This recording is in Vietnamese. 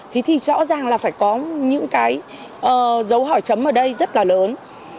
thì rõ ràng là phải có những cái dấu hỏi chấm ở đây rất là lớn